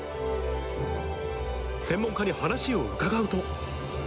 専門家に話を伺うと。